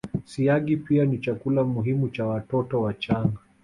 Siagi pia ni chakula muhimu cha watoto wachanga